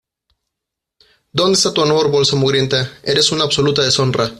¿ Dónde está tu honor, bolsa mugrienta? ¡ eres una absoluta deshonra!